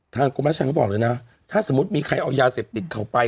ท่านกุมรัชชัยเขาบอกเลยนะถ้าสมมุติมีใครเอายาเสพติดเขาไป